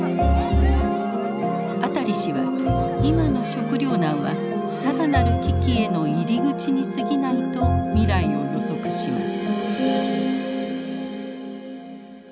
アタリ氏は今の食料難は更なる危機への入り口にすぎないと未来を予測します。